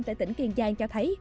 tại tỉnh kiên giang cho thấy